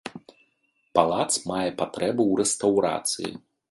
Палац мае патрэбу ў рэстаўрацыі.